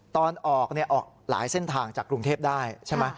ตอนออกออกหลายเส้นทางจากกรุงเทพได้ใช่ไหม